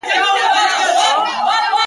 چي مخامخ په څېر د ستورو وي رڼاوي پاشي